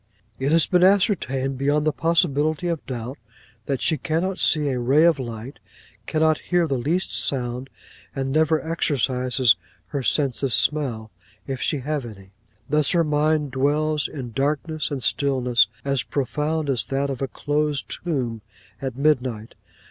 '"It has been ascertained beyond the possibility of doubt, that she cannot see a ray of light, cannot hear the least sound, and never exercises her sense of smell, if she have any. Thus her mind dwells in darkness and stillness, as profound as that of a closed tomb at midnight.